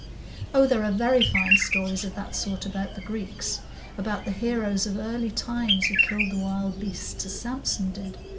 "Oh, there are very fine stories of that sort about the Greeks,—about the heroes of early times who killed the wild beasts, as Samson did.